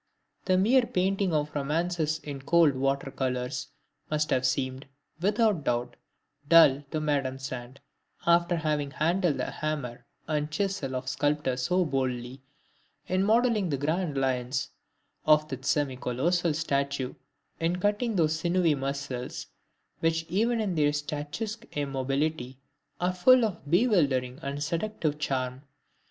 The mere painting of romances in cold water colors must have seemed, without doubt, dull to Madame Sand, after having handled the hammer and chisel of the sculptor so boldly, in modeling the grand lines of that semi colossal statue, in cutting those sinewy muscles, which even in their statuesque immobility, are full of bewildering and seductive charm.